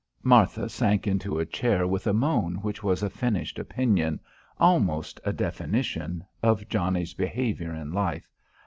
Martha sank into a chair with a moan which was a finished opinion almost a definition of Johnnie's behaviour in life.